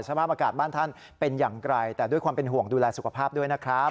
สภาพอากาศบ้านท่านเป็นอย่างไกลแต่ด้วยความเป็นห่วงดูแลสุขภาพด้วยนะครับ